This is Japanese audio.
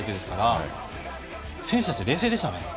選手たちは冷静でしたね。